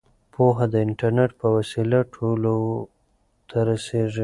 پوهه د انټرنیټ په وسیله ټولو ته رسیږي.